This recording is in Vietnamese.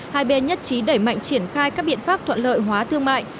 hai bên nhất trí đẩy mạnh triển khai các biện pháp thuận lợi hóa thương mại